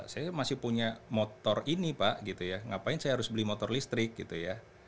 saya masih punya motor ini pak gitu ya ngapain saya harus beli motor listrik gitu ya